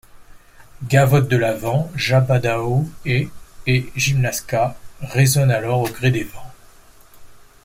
Gavottes de l'aven, Jabadao et et Gymnasqua résonnent alors au gré des vents...